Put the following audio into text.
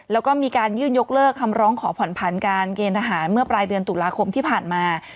แล้วก็มีการยื่นยกเลิกคำร้องขอผ่อนผันการเกณฑ์ทหารเมื่อปลายเดือนตุลาคมที่ผ่านมา